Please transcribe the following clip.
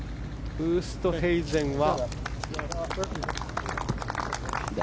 ウーストヘイゼンは。